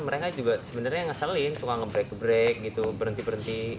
mereka juga sebenarnya ngeselin suka nge break break gitu berhenti berhenti